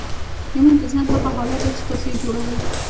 ایمان د ذهن هغه حالت دی چې تاسې یې جوړوئ